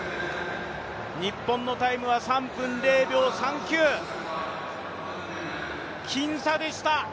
日本のタイムは３分０秒３９、僅差でした。